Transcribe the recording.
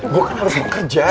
gue kan harus mau kerja